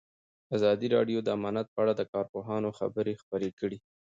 ازادي راډیو د امنیت په اړه د کارپوهانو خبرې خپرې کړي.